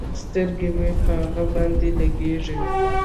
سترګې مې په هغه باندې لګېږي.